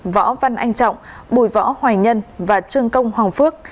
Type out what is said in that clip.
võ văn anh trọng bùi võ hoài nhân và trương công hoàng phước